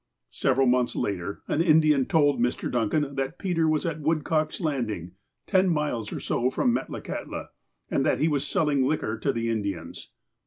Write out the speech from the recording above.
Several months later, an Indian told INIr. Duncan that Peter was at Woodcock's Landing, ten miles or so from Metlakahtla, and that he was selling liquor to the Indians.